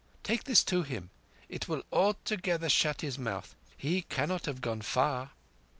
_" "Take this to him. It will altogether shut his mouth. He cannot have gone far."